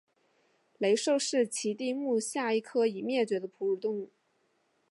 雷兽是奇蹄目下一科已灭绝的哺乳动物。